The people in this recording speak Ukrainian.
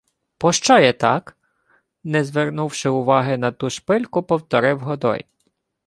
— Пощо є так? — не звернувши уваги на ту шпильку, повторив Годой.